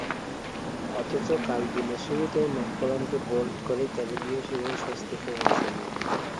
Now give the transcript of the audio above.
অথচ কাল দিনের শুরুতেই ম্যাককালামকে বোল্ড করে ক্যারিবীয় শিবিরে স্বস্তি ফেরান স্যামি।